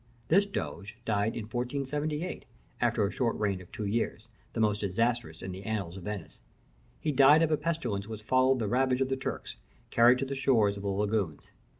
This doge died in 1478, after a short reign of two years, the most disastrous in the annals of Venice. He died of a pestilence which followed the ravage of the Turks, carried to the shores of the lagoons.